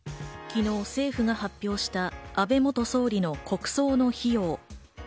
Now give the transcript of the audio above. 昨日、政府が発表した安倍元総理の国葬の費用。